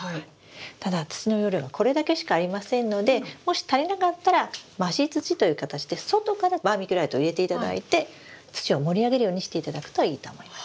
ただ土の容量はこれだけしかありませんのでもし足りなかったら増し土という形で外からバーミキュライトを入れていただいて土を盛り上げるようにしていただくといいと思います。